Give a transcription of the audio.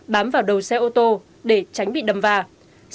bám vào đầu xe ô tô để tránh bị đâm vào